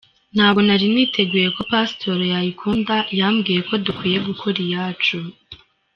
Ntabwo nari niteguye ko Pastor yayikunda, ‘yambwiye ko dukwiye gukora iyacu’”.